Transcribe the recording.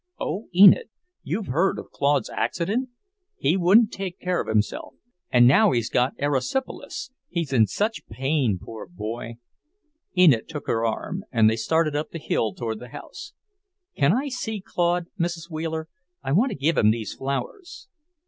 "Oh, Enid! You've heard of Claude's accident? He wouldn't take care of himself, and now he's got erysipelas. He's in such pain, poor boy!" Enid took her arm, and they started up the hill toward the house. "Can I see Claude, Mrs. Wheeler? I want to give him these flowers."